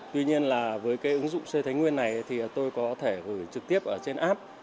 tuy nhiên là với cái ứng dụng xây thánh nguyên này thì tôi có thể gửi trực tiếp ở trên app